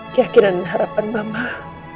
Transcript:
keyakinan dan harapan mamah